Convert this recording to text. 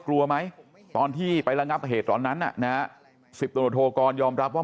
กลัวไหมตอนที่ไประงับเหตุตอนนั้น๑๐ตำรวจโทกรยอมรับว่า